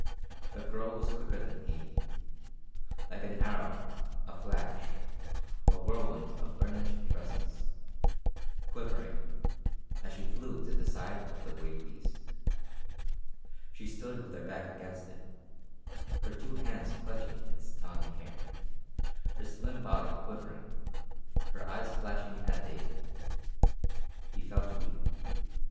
The girl was quicker than he like an arrow, a flash, a whirlwind of burnished tresses, as she flew to the side of the great beast. She stood with her back against it, her two hands clutching its tawny hair, her slim body quivering, her eyes flashing at David. He felt weak.